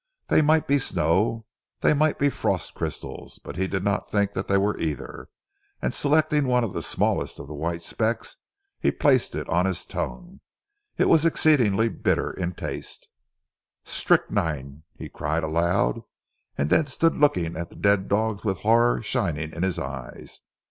They might be snow, they might be frost crystals, but he did not think that they were either, and selecting one of the smallest of the white specks he placed it on his tongue. It was exceedingly bitter in taste. "Strychnine!" he cried aloud, and then stood looking at the dead dogs with horror shining in his eyes.